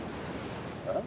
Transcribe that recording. えっ？